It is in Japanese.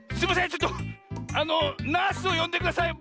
ちょっとあのナースをよんでください。